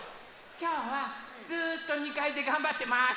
きょうはずっと２かいでがんばってます！